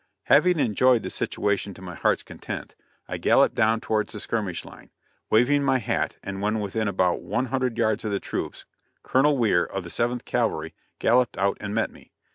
Having enjoyed the situation to my heart's content, I galloped down towards the skirmish line, waving my hat and when within about one hundred yards of the troops, Colonel Weir, of the Seventh Cavalry, galloped out and met me.